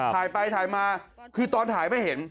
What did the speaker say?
ถ่ายไปถ่ายมาคือตอนถ่ายไม่เห็น